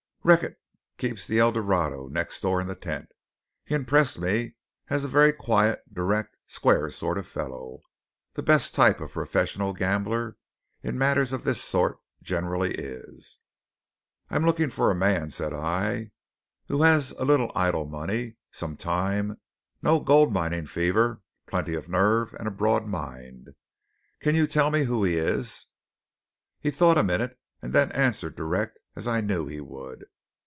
"Recket keeps the El Dorado, next door in the tent. He impressed me as a very quiet, direct, square sort of a fellow. The best type of professional gambler, in matters of this sort, generally is. "'I am looking for a man,' said I, 'who has a little idle money, some time, no gold mining fever, plenty of nerve, and a broad mind. Can you tell me who he is?' "He thought a minute and then answered direct, as I knew he would.